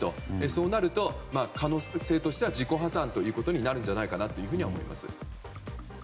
そうなると可能性としては自己破産となるんじゃないかなと思います。